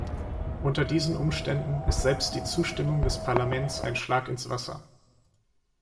Unter diesen Umständen ist selbst die Zustimmung des Parlaments ein Schlag ins Wasser.